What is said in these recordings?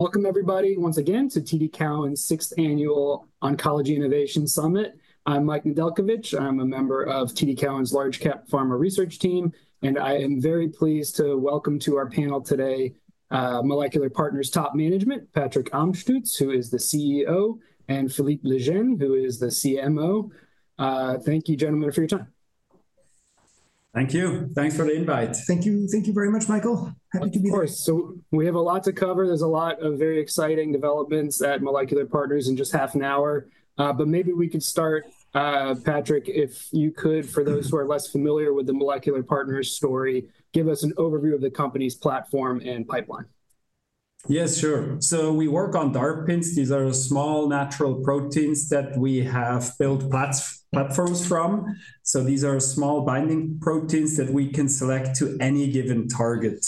Welcome, everybody, once again to TD Cowen's 6th Annual Oncology Innovation Summit. I'm Mike Nedelcovych. I'm a member of TD Cowen's large-cap pharma research team, and I am very pleased to welcome to our panel today Molecular Partners top management, Patrick Amstutz, who is the CEO, and Philippe Legenne, who is the CMO. Thank you, gentlemen, for your time. Thank you. Thanks for the invite. Thank you. Thank you very much, Michael. Happy to be here. Of course. We have a lot to cover. There's a lot of very exciting developments at Molecular Partners in just half an hour. Maybe we could start, Patrick, if you could, for those who are less familiar with the Molecular Partners story, give us an overview of the company's platform and pipeline. Yes, sure. We work on DARPins. These are small natural proteins that we have built platforms from. These are small binding proteins that we can select to any given target.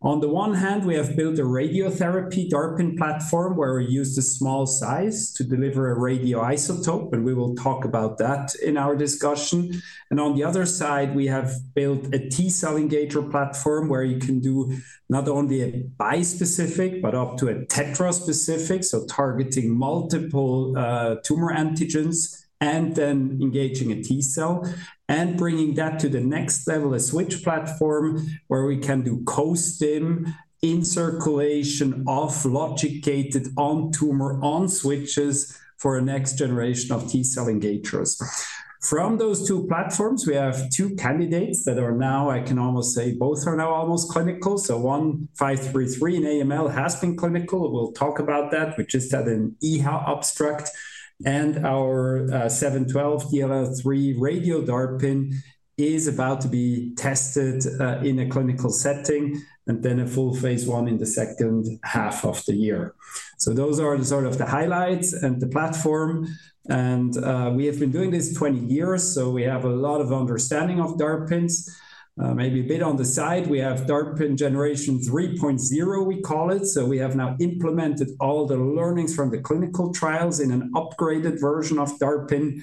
On the one hand, we have built a Radiotherapy DARPin platform where we use the small size to deliver a radioisotope, and we will talk about that in our discussion. On the other side, we have built a T-Cell Engager platform where you can do not only a Bispecific, but up to a Tetraspecific, so targeting multiple tumor antigens and then engaging a T-Cell and bringing that to the next level, a Switch platform where we can do co-STIM, in-circulation, off-logic gated, on-tumor, on-switches for a next generation of T-Cell Engagers. From those two platforms, we have two candidates that are now, I can almost say, both are now almost clinical. MP0533 and AML has been clinical. We'll talk about that. We just had an EHA abstract. And our MP0712 DLL3 Radio DARPin is about to be tested in a clinical setting and then a full phase I in the second half of the year. Those are the sort of the highlights and the platform. We have been doing this 20 years, so we have a lot of understanding of DARPins. Maybe a bit on the side, we have DARPin generation 3.0, we call it. We have now implemented all the learnings from the clinical trials in an upgraded version of DARPin.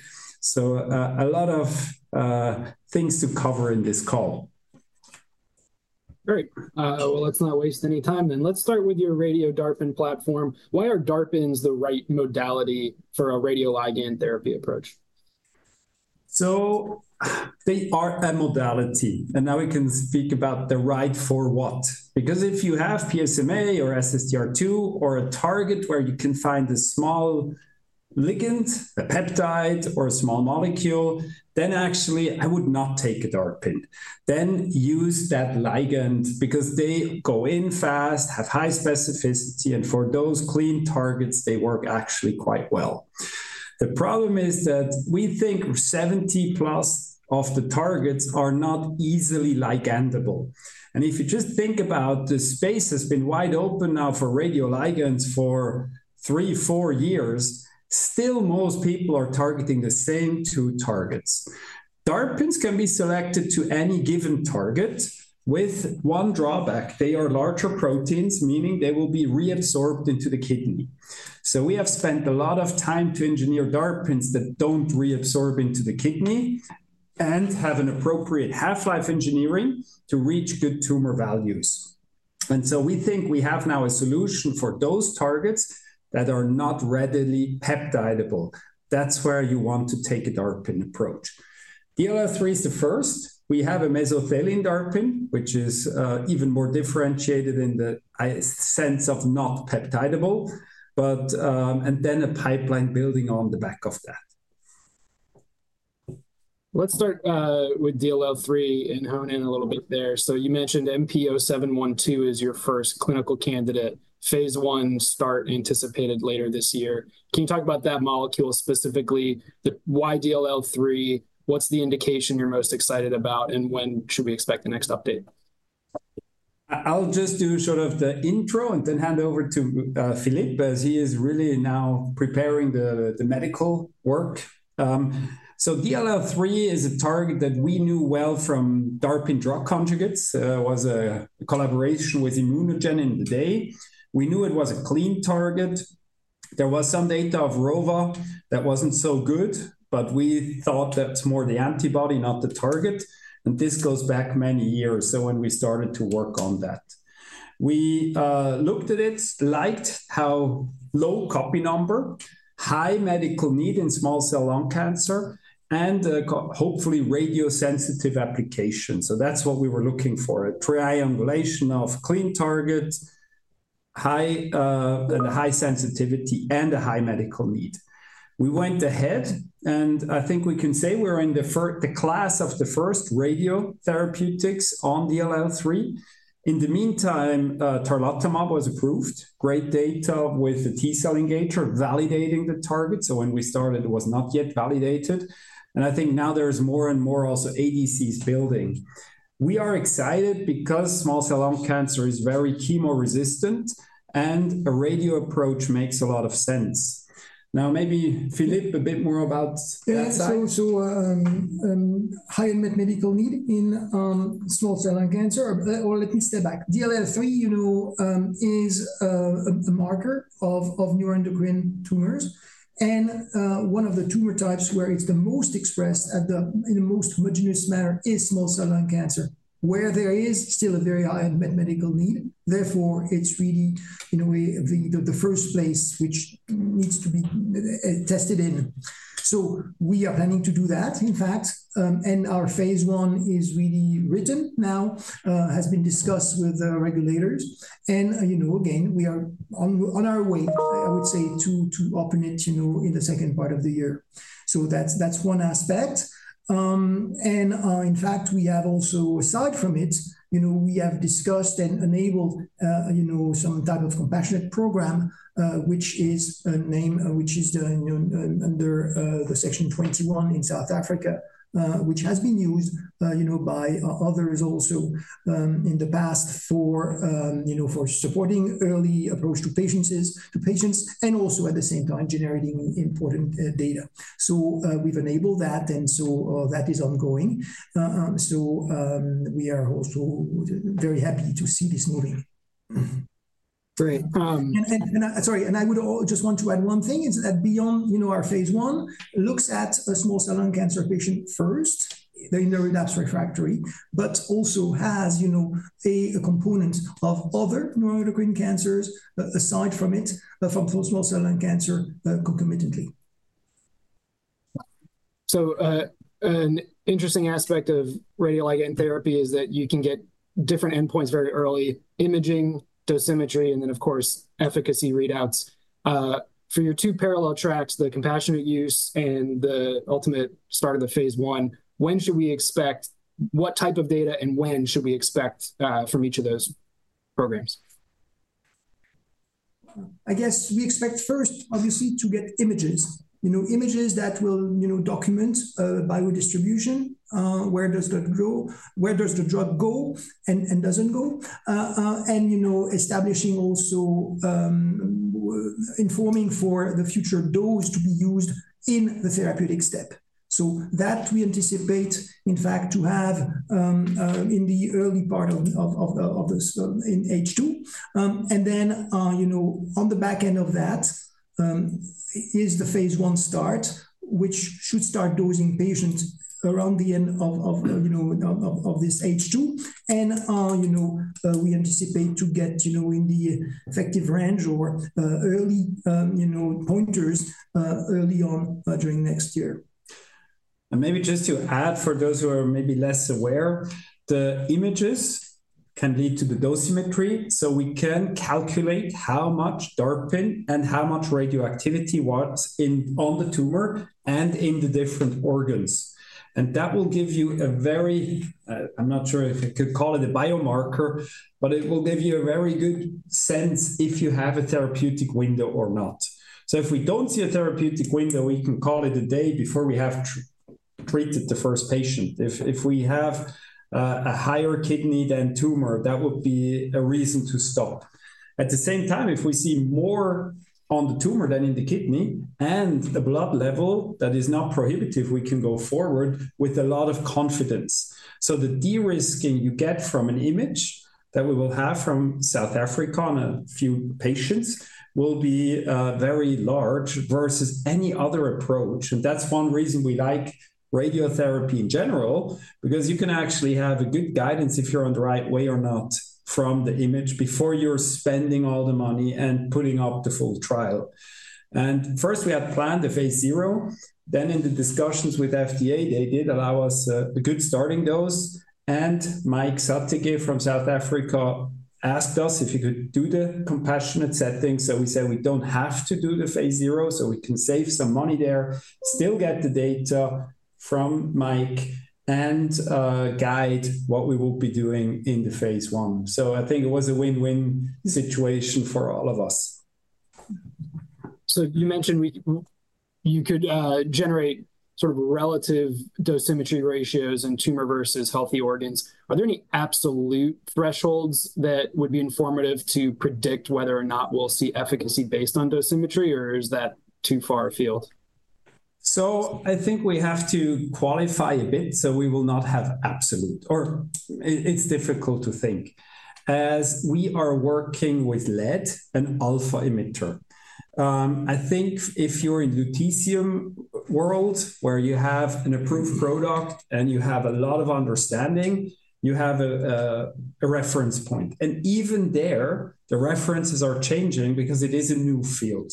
A lot of things to cover in this call. Great. Let's not waste any time then. Let's start with your radio DARPin platform. Why are DARPins the right modality for a radioligand therapy approach? They are a modality. Now we can speak about the right for what. Because if you have PSMA or SSTR2 or a target where you can find a small ligand, a peptide, or a small molecule, then actually, I would not take a DARPin. Use that ligand because they go in fast, have high specificity, and for those clean targets, they work actually quite well. The problem is that we think 70%+ of the targets are not easily ligandable. If you just think about the space has been wide open now for Radio Ligands for three, four years, still most people are targeting the same two targets. DARPins can be selected to any given target with one drawback. They are larger proteins, meaning they will be reabsorbed into the kidney. We have spent a lot of time to engineer DARPins that do not reabsorb into the kidney and have an appropriate half-life engineering to reach good tumor values. We think we have now a solution for those targets that are not readily peptidable. That is where you want to take a DARPin approach. DLL3 is the first. We have a mesothelin DARPin, which is even more differentiated in the sense of not peptidable, and then a pipeline building on the back of that. Let's start with DLL3 and hone in a little bit there. You mentioned MP0712 is your first clinical candidate. Phase I start anticipated later this year. Can you talk about that molecule specifically? Why DLL3? What's the indication you're most excited about? When should we expect the next update? I'll just do sort of the intro and then hand over to Philippe as he is really now preparing the medical work. DLL3 is a target that we knew well from DARPin drug conjugates. It was a collaboration with ImmunoGen in the day. We knew it was a clean target. There was some data of Rova that wasn't so good, but we thought that's more the antibody, not the target. This goes back many years. When we started to work on that, we looked at it, liked how low copy number, high medical need in small cell lung cancer, and hopefully radio-sensitive application. That is what we were looking for, a triangulation of clean target, high sensitivity, and a high medical need. We went ahead, and I think we can say we're in the class of the first Radiotherapeutics on DLL3. In the meantime, Tarlatamab was approved, great data with the T-Cell Engager validating the target. When we started, it was not yet validated. I think now there is more and more also ADCs building. We are excited because small cell lung cancer is very chemo-resistant, and a radio approach makes a lot of sense. Now, maybe Philippe, a bit more about that side. Yeah, so high medical need in small cell lung cancer, or let me step back. DLL3 is a marker of Neuroendocrine Tumors. And one of the tumor types where it's the most expressed in the most homogenous manner is small cell lung cancer, where there is still a very high medical need. Therefore, it's really in a way the first place which needs to be tested in. We are planning to do that, in fact. Our phase I is really written now, has been discussed with the regulators. Again, we are on our way, I would say, to open it in the second part of the year. That's one aspect. In fact, we have also, aside from it, discussed and enabled some type of compassionate program, which is a name which is under the Section 21 in South Africa, which has been used by others also in the past for supporting early approach to patients and also at the same time generating important data. We have enabled that, and that is ongoing. We are also very happy to see this moving. Great. Sorry, I would just want to add one thing is that beyond our phase I, it looks at a small cell lung cancer patient first in the relapse refractory, but also has a component of other Neuroendocrine Cancers aside from it, from small cell lung cancer concomitantly. An interesting aspect of radioligand therapy is that you can get different endpoints very early, imaging, dosimetry, and then, of course, efficacy readouts. For your two parallel tracks, the compassionate use and the ultimate start of the phase I, when should we expect what type of data and when should we expect from each of those programs? I guess we expect first, obviously, to get images, images that will document biodistribution, where does that go, where does the drug go and does not go, and establishing also informing for the future dose to be used in the therapeutic step. We anticipate, in fact, to have that in the early part of this in H2. On the back end of that is the phase I start, which should start dosing patients around the end of this H2. We anticipate to get in the effective range or early pointers early on during next year. Maybe just to add for those who are maybe less aware, the images can lead to the dosimetry. We can calculate how much DARPin and how much radioactivity was on the tumor and in the different organs. That will give you a very, I'm not sure if I could call it a biomarker, but it will give you a very good sense if you have a therapeutic window or not. If we do not see a therapeutic window, we can call it a day before we have treated the first patient. If we have a higher kidney than tumor, that would be a reason to stop. At the same time, if we see more on the tumor than in the kidney and the blood level that is not prohibitive, we can go forward with a lot of confidence. The de-risking you get from an image that we will have from South Africa on a few patients will be very large versus any other approach. That is one reason we like Radiotherapy in general, because you can actually have good guidance if you are on the right way or not from the image before you are spending all the money and putting up the full trial. First, we had planned the phase zero. In the discussions with FDA, they did allow us a good starting dose. Mike Suttigie from South Africa asked us if he could do the compassionate setting. We said we do not have to do the phase zero, so we can save some money there, still get the data from Mike, and guide what we will be doing in the phase I. I think it was a win-win situation for all of us. You mentioned you could generate sort of relative dosimetry ratios in tumor versus healthy organs. Are there any absolute thresholds that would be informative to predict whether or not we'll see efficacy based on dosimetry, or is that too far afield? I think we have to qualify a bit, so we will not have absolute, or it's difficult to think. As we are working with lead and alpha-emitter. I think if you're in Lutetium world where you have an approved product and you have a lot of understanding, you have a reference point. Even there, the references are changing because it is a new field.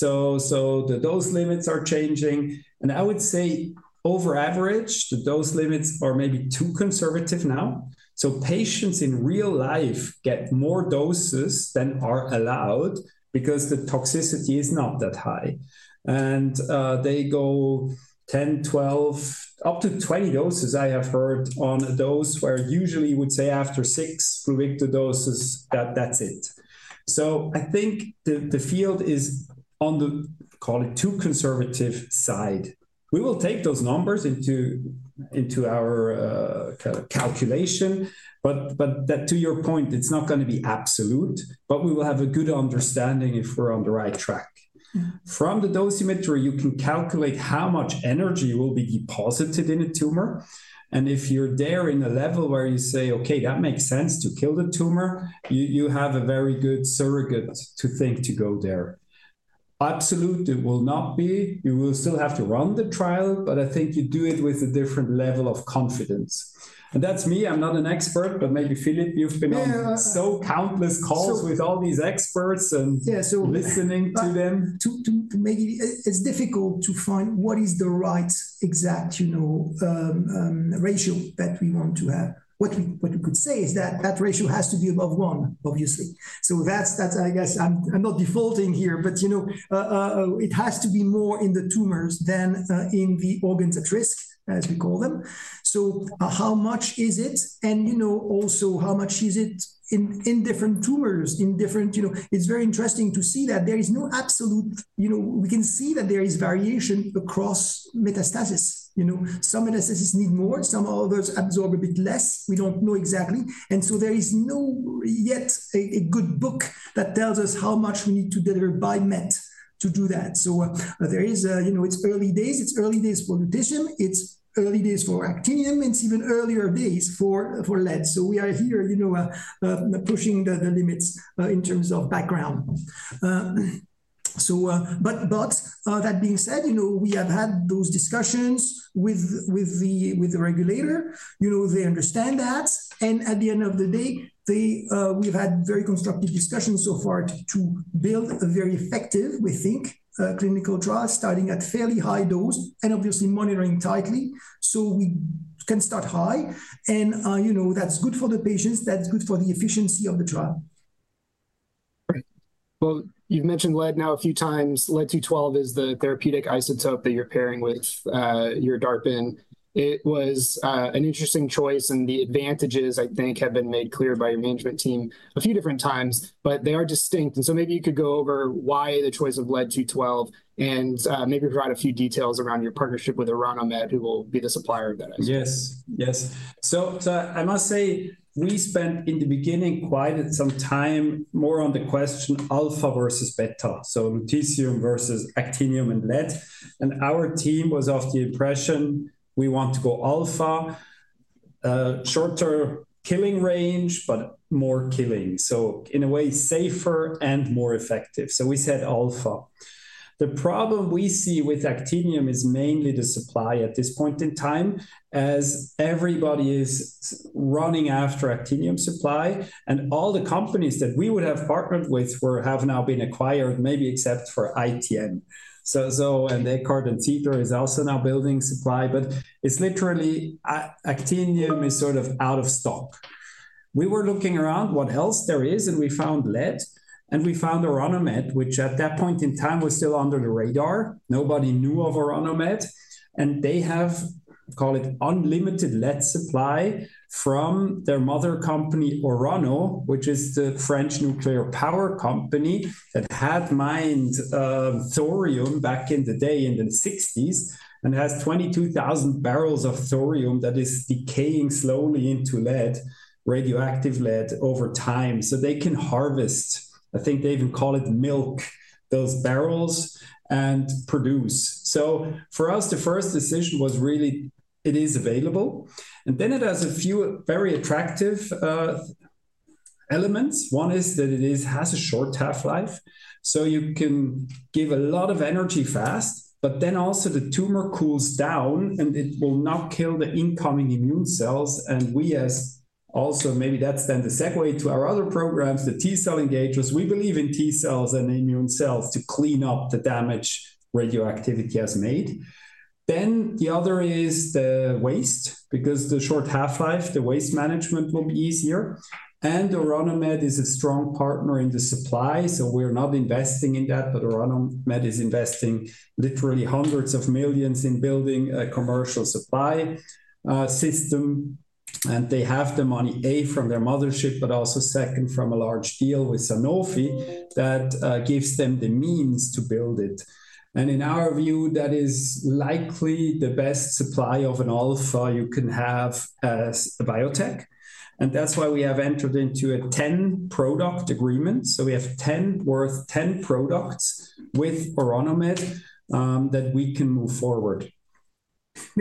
The dose limits are changing. I would say over average, the dose limits are maybe too conservative now. Patients in real life get more doses than are allowed because the toxicity is not that high. They go 10 doses, 12 doses, up to 20 doses, I have heard, on a dose where usually you would say after six prior doses, that's it. I think the field is on the, call it too conservative side. We will take those numbers into our calculation, but to your point, it's not going to be absolute, but we will have a good understanding if we're on the right track. From the dosimetry, you can calculate how much energy will be deposited in a tumor. If you're there in a level where you say, okay, that makes sense to kill the tumor, you have a very good surrogate to think to go there. Absolute, it will not be. You will still have to run the trial, but I think you do it with a different level of confidence. That's me. I'm not an expert, but maybe Philippe, you've been on so countless calls with all these experts and listening to them. Yeah, so maybe it's difficult to find what is the right exact ratio that we want to have. What we could say is that that ratio has to be above one, obviously. That's, I guess, I'm not defaulting here, but it has to be more in the tumors than in the organs at risk, as we call them. How much is it? And also how much is it in different tumors? It's very interesting to see that there is no absolute. We can see that there is variation across metastasis. Some metastasis need more, some others absorb a bit less. We don't know exactly. There is not yet a good book that tells us how much we need to deliver by med to do that. It's early days. It's early days for Lutetium. It's early days for Actinium. It's even earlier days for lead. We are here pushing the limits in terms of background. That being said, we have had those discussions with the regulator. They understand that. At the end of the day, we've had very constructive discussions so far to build a very effective, we think, clinical trial starting at fairly high dose and obviously monitoring tightly so we can start high. That's good for the patients. That's good for the efficiency of the trial. Great. You have mentioned lead now a few times. Lead-212 is the therapeutic isotope that you are pairing with your DARPin. It was an interesting choice, and the advantages, I think, have been made clear by your management team a few different times, but they are distinct. Maybe you could go over why the choice of lead-212 and maybe provide a few details around your partnership with Orano Med, who will be the supplier of that. Yes, yes. I must say we spent in the beginning quite some time more on the question alpha versus beta, so Lutetium versus Actinium and lead. Our team was of the impression we want to go alpha, shorter killing range, but more killing. In a way, safer and more effective. We said alpha. The problem we see with Actinium is mainly the supply at this point in time as everybody is running after Actinium supply. All the companies that we would have partnered with have now been acquired, maybe except for ITM. Eckert & Ziegler is also now building supply, but literally Actinium is sort of out of stock. We were looking around what else there is, and we found lead. We found Orano Med, which at that point in time was still under the radar. Nobody knew of Orano Med. They have, call it unlimited lead supply from their mother company, Orano, which is the French nuclear power company that had mined thorium back in the day in the 1960s and has 22,000 bbl of thorium that is decaying slowly into lead, radioactive lead over time. They can harvest, I think they even call it milk, those barrels and produce. For us, the first decision was really it is available. It has a few very attractive elements. One is that it has a short half-life. You can give a lot of energy fast, but then also the tumor cools down and it will not kill the incoming immune cells. We as also, maybe that is then the segue to our other programs, the T-Cell Engagers. We believe in T-Cells and immune cells to clean up the damage radioactivity has made. The other is the waste because the short half-life, the waste management will be easier. Orano Med is a strong partner in the supply. We're not investing in that, but Orano Med is investing literally hundreds of millions in building a commercial supply system. They have the money, A, from their mothership, but also second from a large deal with Sanofi that gives them the means to build it. In our view, that is likely the best supply of an alpha you can have as a biotech. That's why we have entered into a 10 product agreement. We have 10, worth 10 products, with Orano Med that we can move forward.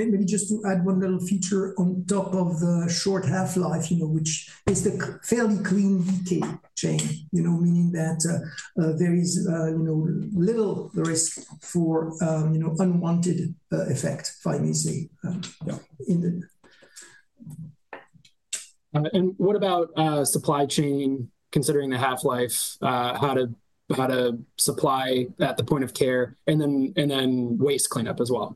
Maybe just to add one little feature on top of the short half-life, which is the fairly clean decay chain, meaning that there is little risk for unwanted effect, if I may say. What about supply chain, considering the half-life, how to supply at the point of care, and then waste cleanup as well?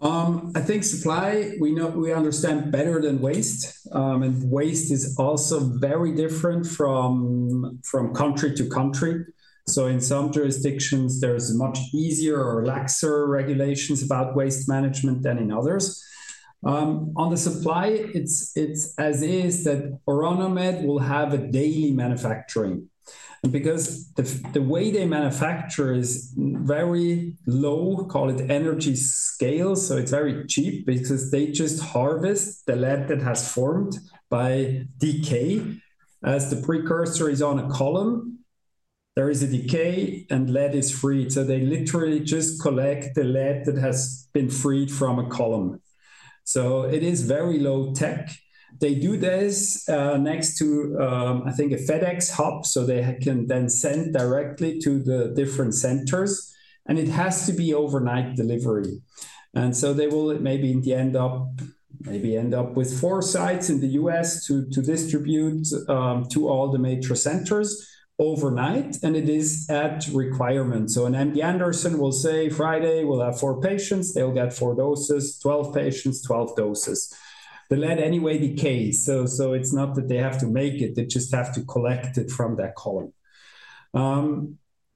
I think supply, we understand better than waste. Waste is also very different from country to country. In some jurisdictions, there are much easier or laxer regulations about waste management than in others. On the supply, it is that Orano Med will have a daily manufacturing. Because the way they manufacture is very low, call it energy scale. It is very cheap because they just harvest the lead that has formed by decay. As the precursor is on a column, there is a decay and lead is freed. They literally just collect the lead that has been freed from a column. It is very low tech. They do this next to, I think, a FedEx hub. They can then send directly to the different centers. It has to be overnight delivery. They will maybe end up with four sites in the U.S. to distribute to all the major centers overnight. It is a requirement. An MD Anderson will say Friday, we'll have four patients. They'll get four doses, 12 patients, 12 doses. The lead anyway decays. It's not that they have to make it. They just have to collect it from that column.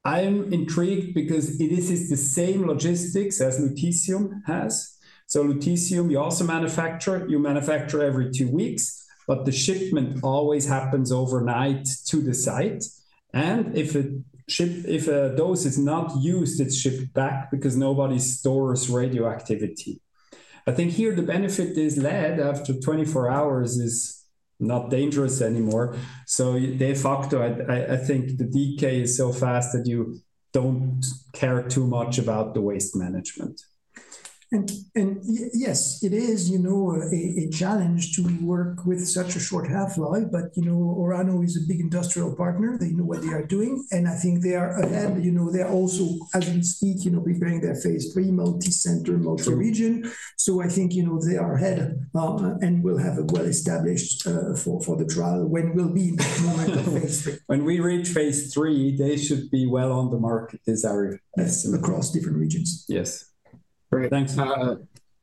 I'm intrigued because this is the same logistics as Lutetium has. Lutetium, you also manufacture. You manufacture every two weeks, but the shipment always happens overnight to the site. If a dose is not used, it's shipped back because nobody stores radioactivity. I think here the benefit is lead after 24 hours is not dangerous anymore. De facto, I think the decay is so fast that you don't care too much about the waste management. Yes, it is a challenge to work with such a short half-life, but Orano Med is a big industrial partner. They know what they are doing. I think they are ahead. They are also, as we speak, preparing their phase III, multi-center, multi-region. I think they are ahead and will have a well-established for the trial when we'll be in that moment of phase III. When we reach phase III, they should be well on the market, this area, Yes, across different regions. Yes. Great. Thanks.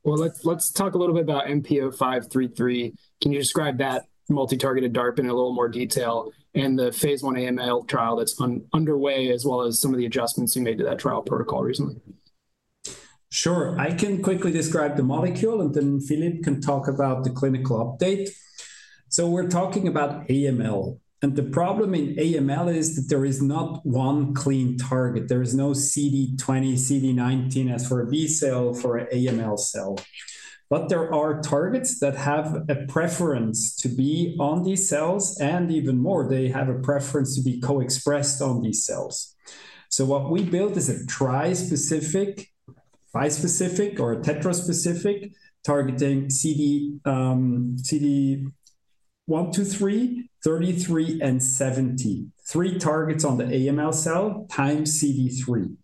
Let's talk a little bit about MP0533. Can you describe that multi-targeted DARPin in a little more detail and the phase I AML trial that's underway as well as some of the adjustments you made to that trial protocol recently? Sure. I can quickly describe the molecule, and then Philippe can talk about the clinical update. We're talking about AML. The problem in AML is that there is not one clean target. There is no CD20, CD19 as for a B cell for an AML cell. There are targets that have a preference to be on these cells, and even more, they have a preference to be co-expressed on these cells. What we built is a Trispecific, Bispecific, or Tetraspecific targeting CD123, CD33, and CD70, three targets on the AML cell times CD3.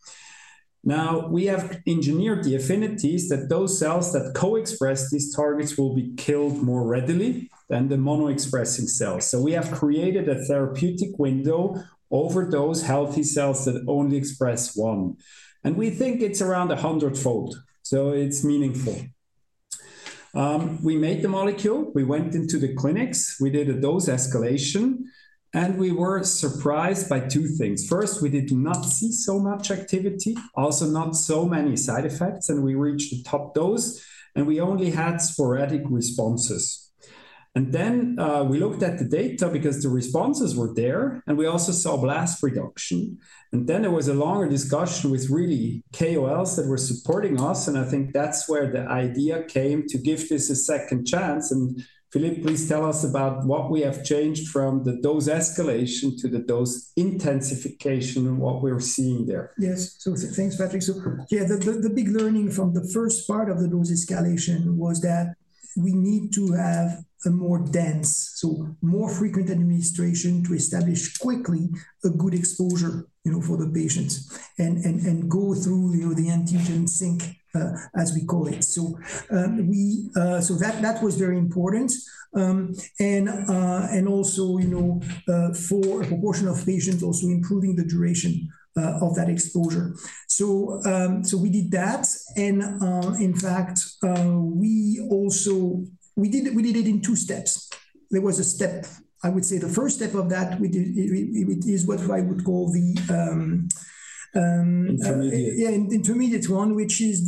We have engineered the affinities that those cells that co-express these targets will be killed more readily than the monoexpressing cells. We have created a therapeutic window over those healthy cells that only express one. We think it's around a hundredfold. It's meaningful. We made the molecule. We went into the clinics. We did a dose escalation. We were surprised by two things. First, we did not see so much activity, also not so many side effects, and we reached the top dose. We only had sporadic responses. We looked at the data because the responses were there. We also saw blast reduction. There was a longer discussion with really KOLs that were supporting us. I think that's where the idea came to give this a second chance. Philippe, please tell us about what we have changed from the dose escalation to the dose intensification and what we're seeing there. Yes. Thanks, Patrick. The big learning from the first part of the dose escalation was that we need to have a more dense, so more frequent administration to establish quickly a good exposure for the patients and go through the antigen sink, as we call it. That was very important. Also, for a proportion of patients, improving the duration of that exposure. We did that. In fact, we did it in two steps. There was a step, I would say the first step of that is what I would call the. Intermediate. Yeah, intermediate one, which is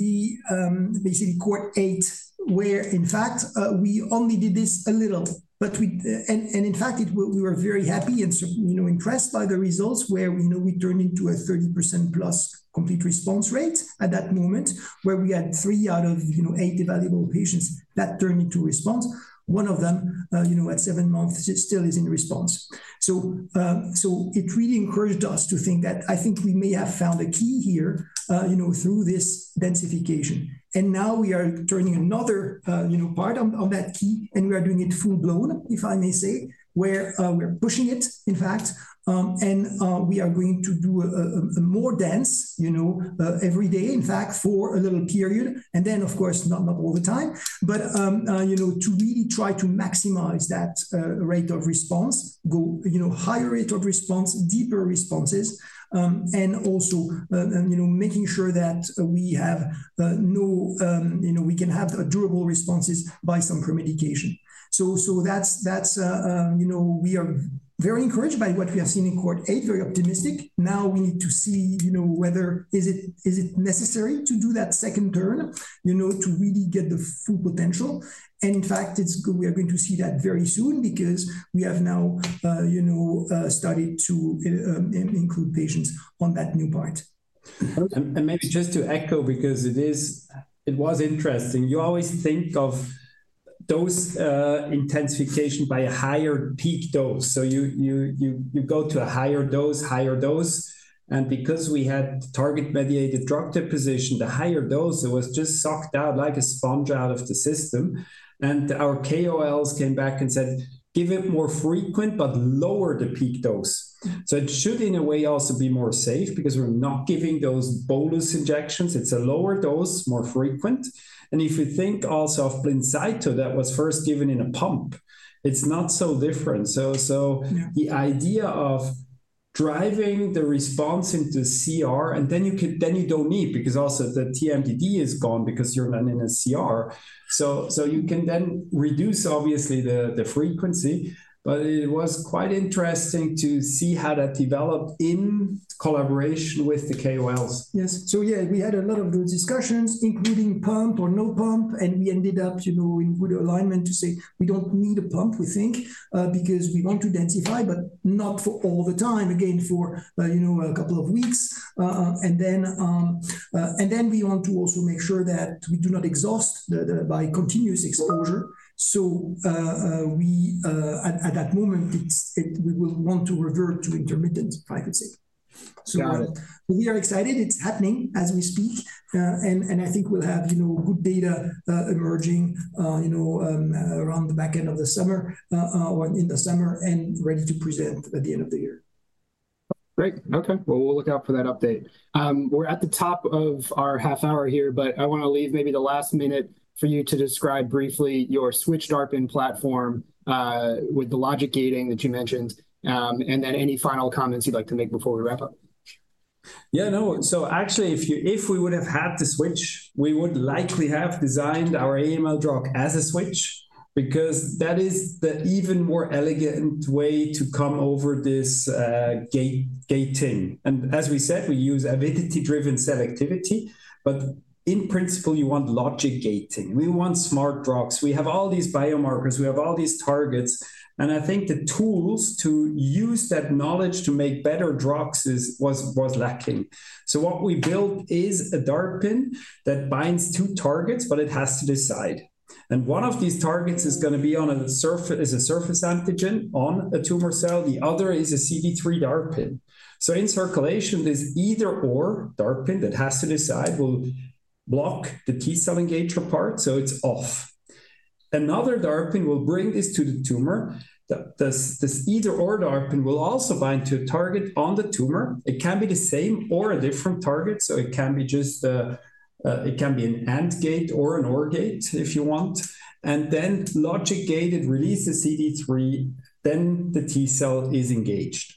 basically quart eight, where in fact, we only did this a little. In fact, we were very happy and impressed by the results where we turned into a 30%+ Complete Response rate at that moment, where we had three out of eight evaluable patients that turned into response. One of them at seven months still is in response. It really encouraged us to think that I think we may have found a key here through this densification. Now we are turning another part on that key, and we are doing it full-blown, if I may say, where we're pushing it, in fact. We are going to do a more dense every day, in fact, for a little period. Of course, not all the time, but to really try to maximize that rate of response, higher rate of response, deeper responses, and also making sure that we have, you know, we can have durable responses by some premedication. We are very encouraged by what we have seen in quart eight, very optimistic. Now we need to see whether it is necessary to do that second turn to really get the full potential. In fact, we are going to see that very soon because we have now started to include patients on that new part. Maybe just to echo because it was interesting, you always think of dose intensification by a higher peak dose. You go to a higher dose, higher dose. Because we had Target-Mediated Drug Disposition, the higher dose was just sucked out like a sponge out of the system. Our KOLs came back and said, give it more frequent, but lower the peak dose. It should in a way also be more safe because we're not giving those bolus injections. It's a lower dose, more frequent. If you think also of Blincyto that was first given in a pump, it's not so different. The idea of driving the response into CR, and then you don't need because also the TMDD is gone because you're not in a CR. You can then reduce, obviously, the frequency, but it was quite interesting to see how that developed in collaboration with the KOLs. Yes. Yeah, we had a lot of those discussions, including pump or no pump, and we ended up with alignment to say we do not need a pump, we think, because we want to densify, but not for all the time, again, for a couple of weeks. We want to also make sure that we do not exhaust by continuous exposure. At that moment, we will want to revert to intermittent, I would say. We are excited. It is happening as we speak. I think we will have good data emerging around the back end of the summer or in the summer and ready to present at the end of the year. Great. Okay. We'll look out for that update. We're at the top of our half hour here, but I want to leave maybe the last minute for you to describe briefly your Switch-DARPin platform with the logic gating that you mentioned, and then any final comments you'd like to make before we wrap up. Yeah, no. Actually, if we would have had the Switch, we would likely have designed our AML drug as a Switch because that is the even more elegant way to come over this gating. As we said, we use avidity-driven selectivity. In principle, you want logic gating. We want smart drugs. We have all these biomarkers. We have all these targets. I think the tools to use that knowledge to make better drugs was lacking. What we built is a DARPin that binds two targets, but it has to decide. One of these targets is going to be on a surface antigen on a tumor cell. The other is a CD3 DARPin. In circulation, there is either/or DARPin that has to decide will block the T-Cell Engager part. It is off. Another DARPin will bring this to the tumor. This either/or DARPin will also bind to a target on the tumor. It can be the same or a different target. It can be just it can be an end gate or an or gate if you want. Logic gated release the CD3, then the T-Cell is engaged.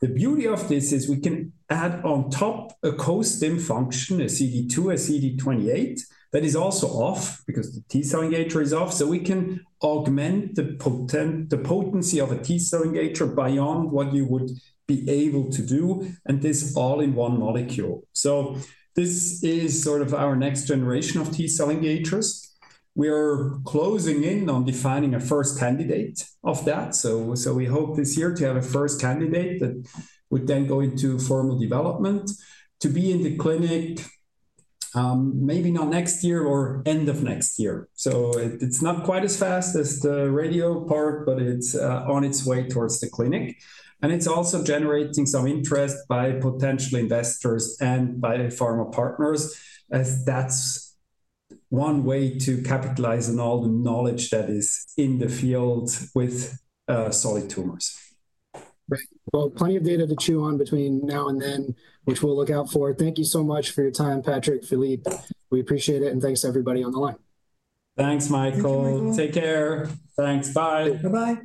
The beauty of this is we can add on top a co-STIM function, a CD2, a CD28 that is also off because the T-Cell Engager is off. We can augment the potency of a T-Cell Engager beyond what you would be able to do. This all in one molecule. This is sort of our next generation of T-Cell Engagers. We are closing in on defining a first candidate of that. We hope this year to have a first candidate that would then go into formal development to be in the clinic, maybe not next year or end of next year. It is not quite as fast as the radio part, but it is on its way towards the clinic. It is also generating some interest by potential investors and by pharma partners as that is one way to capitalize on all the knowledge that is in the field with solid tumors. Great. Plenty of data to chew on between now and then, which we'll look out for. Thank you so much for your time, Patrick, Philippe. We appreciate it. Thanks to everybody on the line. Thanks, Michael. Take care. Thanks. Bye. Bye-bye.